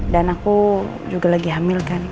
dan aku juga lagi hamil kan